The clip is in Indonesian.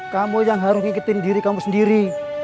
kamu yang harus ngikutin diri kamu sendiri